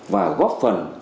và góp phần